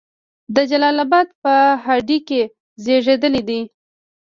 د جلال آباد په هډې کې زیږیدلی دی.